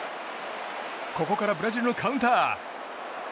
ここからブラジルのカウンター。